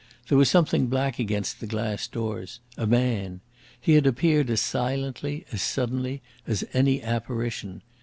There was something black against the glass doors a man. He had appeared as silently, as suddenly, as any apparition.